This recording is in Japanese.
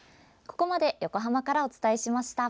ここまで横浜からお伝えしました。